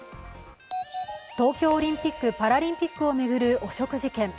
東京オリンピック・パラリンピックを巡る汚職事件。